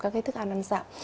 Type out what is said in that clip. các cái thức ăn ăn dặm